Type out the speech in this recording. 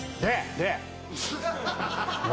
で。